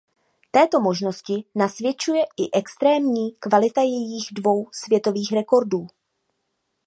Této možnosti nasvědčuje i extrémní kvalita jejích dvou světových rekordů.